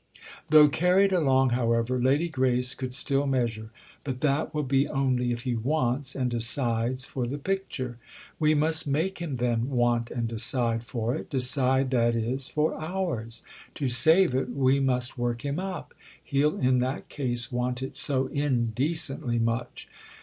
Though carried along, however, Lady Grace could still measure. "But that will be only if he wants and decides for the picture." "We must make him then want and decide for it—decide, that is, for 'ours.' To save it we must work him up—he'll in that case want it so indecently much.